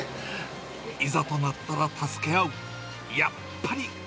いざとなったら助け合う。